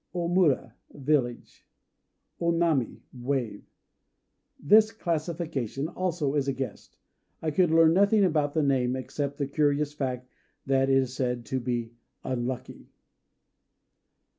O Mura "Village." O Nami "Wave." This classification also is a guess. I could learn nothing about the name, except the curious fact that it is said to be unlucky.